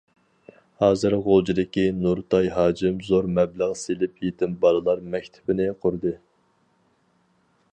ھازىر غۇلجىدىكى نۇرتاي ھاجىم زور مەبلەغ سېلىپ يېتىم بالىلار مەكتىپىنى قۇردى.